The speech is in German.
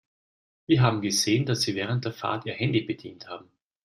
Wir haben gesehen, dass Sie während der Fahrt Ihr Handy bedient haben.